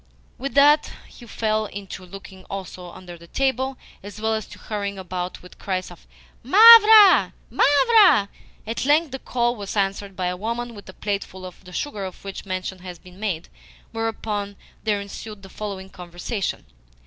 With that he fell to looking also under the table, as well as to hurrying about with cries of "Mavra, Mavra!" At length the call was answered by a woman with a plateful of the sugar of which mention has been made; whereupon there ensued the following conversation.